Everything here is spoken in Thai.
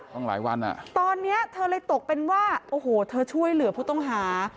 ตอนนี้เธอเลยตกเป็นว่าโอ้โหเธอช่วยเหลือผู้ต้องหา